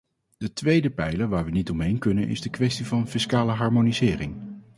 De tweede pijler waar we niet omheen kunnen is de kwestie van fiscale harmonisering.